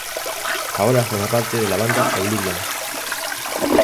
Ahora forma parte de la banda Oblivion.